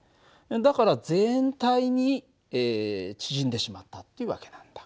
だから全体に縮んでしまったっていう訳なんだ。